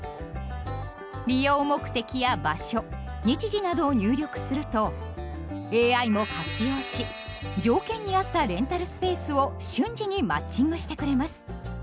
利用目的や場所日時などを入力するとＡＩも活用し条件に合ったレンタルスペースを瞬時にマッチングしてくれます。